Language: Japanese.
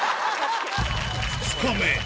２日目。